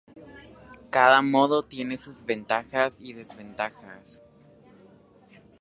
Cada modo tiene sus ventajas y desventajas.